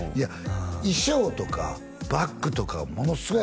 衣装とかバッグとかはものすごう